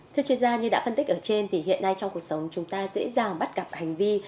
thưa chuyên gia như đã phân tích ở trên thì hiện nay trong cuộc sống chúng ta dễ dàng bắt gặp hành vi